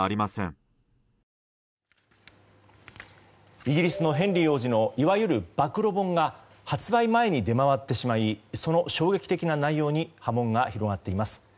イギリスのヘンリー王子のいわゆる暴露本が発売前に出回ってしまいその衝撃的な内容に波紋が広がっています。